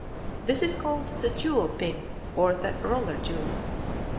This is called the jewel pin or the roller jewel.